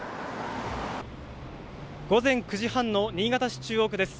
午前９時半の新潟市中央区です。